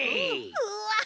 うわ。